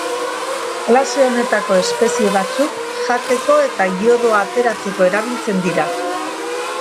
Klase honetako espezie batzuk jateko edo iodoa ateratzeko erabiltzen dira.